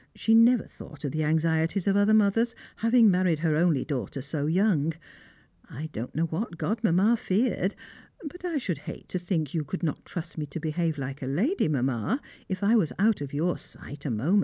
She never thought of the anxieties of other mothers, having married her only daughter so young! I don't know what Godmamma feared, but I should hate to think you could not trust me to behave like a lady, Mamma, if I was out of your sight a moment.